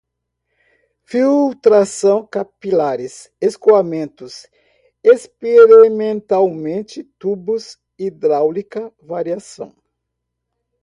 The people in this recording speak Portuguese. filtração, capilares, escoamentos, experimentalmente, tubos, hidráulica, variação